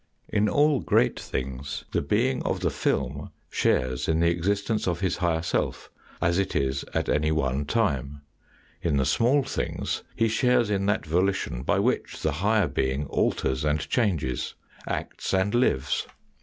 In all great things the being of the film shares in the existence of his higher self, as it is at any one time. In the small things he shares *in that volition by which the higher being alters and changes, acts and lives.